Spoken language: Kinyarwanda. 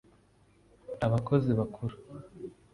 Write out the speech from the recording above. abakozi bakuru